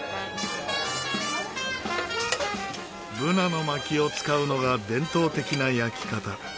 ブナの薪を使うのが伝統的な焼き方。